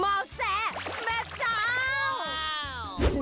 มาแส่แม่จ้าว